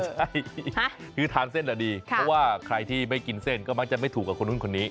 ใช่คือทานเส้นดีเพราะว่าใครที่ไม่กินเส้นก็มักจะไม่ถูกกับคนนู้นคนนี้